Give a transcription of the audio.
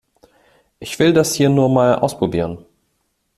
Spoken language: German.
Ich will das hier nur mal ausprobieren.